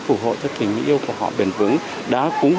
phù hộ cho tình yêu của họ bền vững